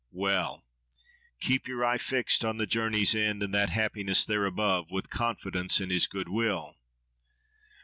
—Well! keep your eye fixed on the journey's end, and that happiness there above, with confidence in his goodwill.